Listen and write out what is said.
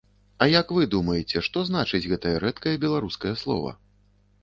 Як вы думаеце, што значыць гэтае рэдкае беларускае слова?